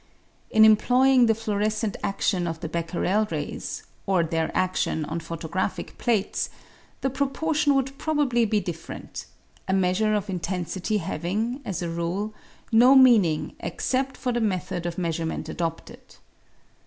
In employing the fluorescent adion of the Becquerel rays, or their adion on photographic plates, the proportion would probably be different — a measure of intensity having, as a rule, no meaning except for the method of measurement adopted.